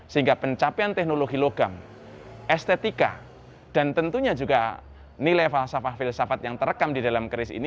sehingga pencapaian teknologi logam estetika dan tentunya juga nilai falsafah filsafat yang terekam di dalam keris ini